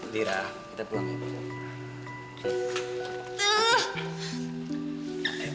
lira kita pulangin dulu